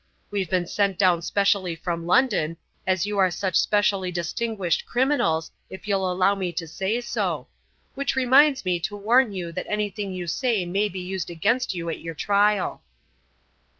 We've been sent down specially from London, as you were such specially distinguished criminals, if you'll allow me to say so. Which reminds me to warn you that anything you say may be used against you at your trial."